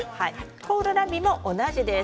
コールラビも同じです。